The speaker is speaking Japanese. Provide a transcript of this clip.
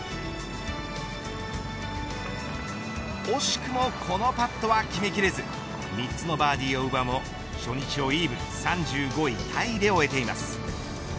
惜しくもこのパットは決めきれず３つのバーディーを奪うも初日をイーブン、３５位タイで終えています。